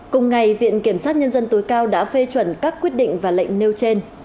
cùng ngày viện kiểm sát nhân dân tối cao đã phê chuẩn các quyết định và lệnh nêu trên